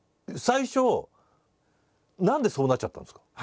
最初何でそうなっちゃったんですか？